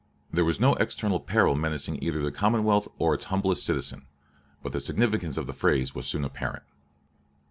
There was no external peril menacing either the commonwealth or its humblest citizen; but the significance of the phrase was soon apparent.